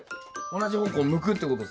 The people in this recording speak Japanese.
同じ方向向くってこと。